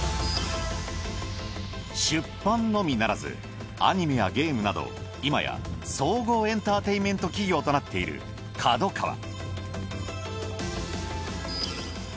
出版のみならずアニメやゲームなどいまや総合エンターテインメント企業となっているＫＡＤＯＫＡＷＡ。